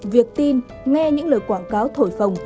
việc tin nghe những lời quảng cáo thổi phồng